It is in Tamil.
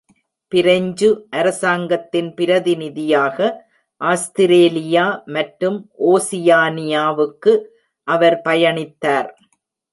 பிரெஞ்சு அரசாங்கத்தின் பிரதிநிதியாக, ஆஸ்திரேலியா மற்றும் ஓசியானியாவுக்கஅவர்பயணித்தார்.